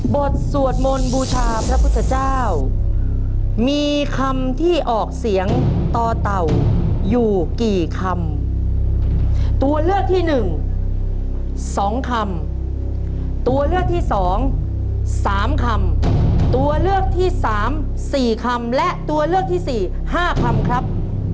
บทสวดมนต์บูชาพระพุทธเจ้ามีคำที่ออกเสียงต่อเต่าอยู่กี่คำตัวเลือกที่๑๒คำตัวเลือกที่๒๓คำตัวเลือกที่๓๔คำและตัวเลือกที่๔๕คำครับ